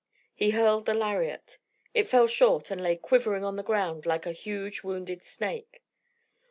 He hurled the lariat. It fell short, and lay quivering on the ground like a huge wounded snake.